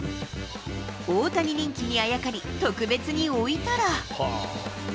大谷人気にあやかり、特別に置いたら。